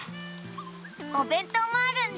おべんとうもあるんだ。